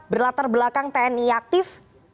berlatar belakang tni aktif